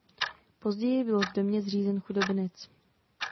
Později byl v domě zřízen chudobinec.